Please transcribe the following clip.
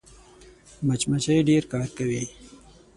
مچمچۍ ډېر کار کوي